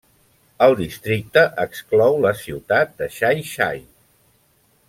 El districte exclou la ciutat de Xai-Xai.